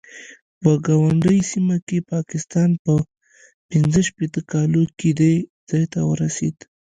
په ګاونډۍ سیمه کې پاکستان په پنځه شپېته کالو کې دې ځای ته ورسېد.